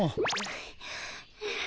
はあはあ。